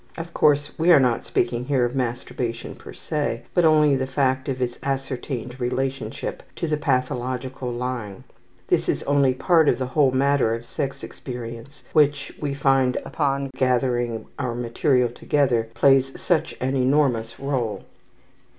Of course we are not speaking here of masturbation per se, but only of the fact of its ascertained relationship to the pathological lying. This is only part of the whole matter of sex experience which, we find upon gathering our material together, plays such an enormous role.